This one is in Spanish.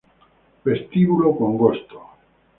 Vestíbulo Congosto